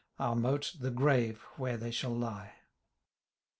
Our moat the grave where they shall lie.